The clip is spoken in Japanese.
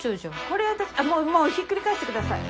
これはあもうもうひっくり返してください。